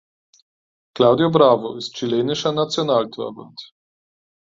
Claudio Bravo ist chilenischer Nationaltorwart.